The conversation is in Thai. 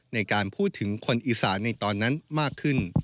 ในการพูดถึงคนอีสานในตอนนั้นมากขึ้น